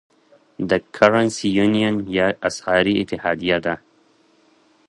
دا Currency Union یا اسعاري اتحادیه ده.